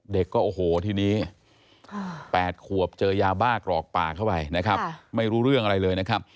เด็กก็โอ้โหทีนี้๘ขวบเจอยาบ้ากรอกปากเข้าไปนะครับไม่รู้เรื่องอะไรเลยนะครับ